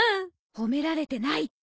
褒められてないって！